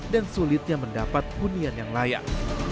dan sulitnya mendapat hunian yang layak